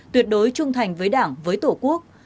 tuyệt đối trung thành với đảng với tổ quốc